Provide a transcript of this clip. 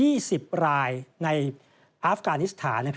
มีผู้ติดไปทั้งหมด๒๐รายในอัฟกานิสถาน